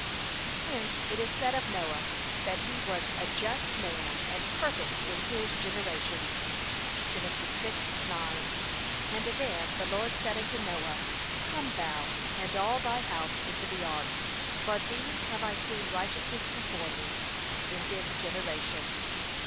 Hence it is said of Noah, that he 'was a just man, and perfect in his generations.' (Gen. 6:9) And again, the Lord said unto Noah, 'Come thou and all thy house into the ark, for thee have I seen righteous before me, in this generation.'